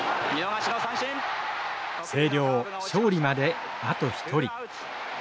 星稜勝利まであと１人。